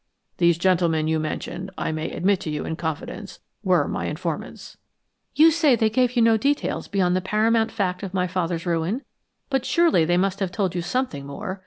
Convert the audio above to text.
These gentlemen you mention, I may admit to you in confidence, were my informants." "You say they gave you no details beyond the paramount fact of my father's ruin? But surely they must have told you something more.